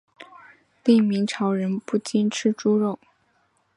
另明朝人不禁吃猪肉。